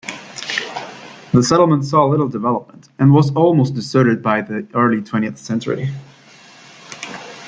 The settlement saw little development, and was almost deserted by the early twentieth century.